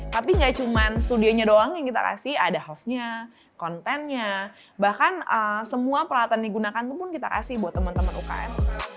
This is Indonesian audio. tapi nggak cuma studionya doang yang kita kasih ada hostnya kontennya bahkan semua peralatan digunakan pun kita kasih buat teman teman ukm